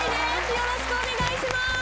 よろしくお願いします。